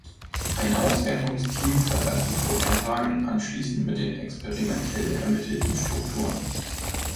Ein Auswertungs-Team vergleicht die Vorhersagen anschließend mit den experimentell ermittelten Strukturen.